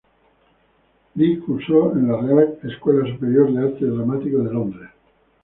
Lee cursó en la Real Escuela Superior de Arte Dramático de Londres.